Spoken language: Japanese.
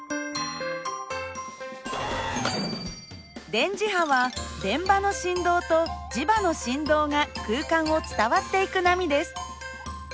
電磁波は電場の振動と磁場の振動が空間を伝わっていく波です。